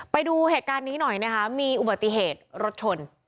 ไปดูเหตุการณ์นี้หน่อยนะคะมีอุบัติเหตุรถชน